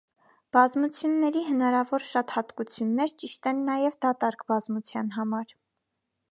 Բազմությունների հնարավոր շատ հատկություններ ճիշտ են նաև դատարկ բազմության համար։